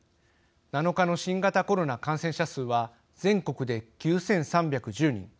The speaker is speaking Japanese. ７日の新型コロナ感染者数は全国で９，３１０人。